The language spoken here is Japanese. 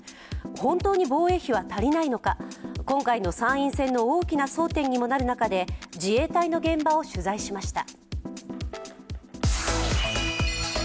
本当に防衛費は足りないのか今回の参院選の大きな争点にもなる中で、自衛隊の現場を取材しました。